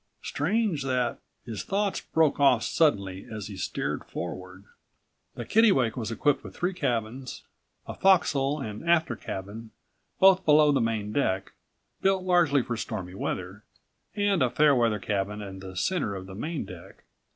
Strange that—" His thoughts broke off suddenly as he stared forward. The Kittlewake was equipped with three cabins; a forecastle and aftercabin, both below the main deck, built largely for stormy weather, and a fair weather cabin in the center of the main deck.